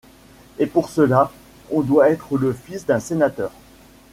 Et pour cela, on doit être le fils d’un sénateur.